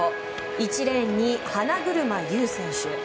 １レーンに、花車優選手。